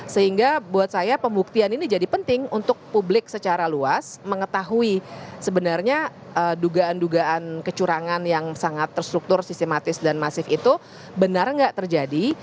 sehingga buat saya pembuktian ini jadi penting untuk publik secara luas mengetahui sebenarnya dugaan dugaan kecurangan yang sangat terstruktur sistematis dan masif itu benar nggak terjadi